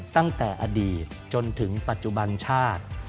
ตั้งแต่อดีตจนถึงปัจจุบันชาติ